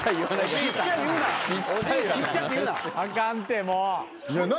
あかんってもう。